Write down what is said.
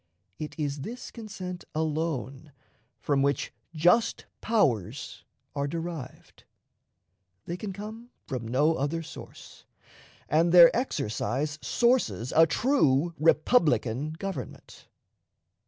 It is this consent alone from which "just powers" are derived. They can come from no other source, and their exercise sources a true republican government.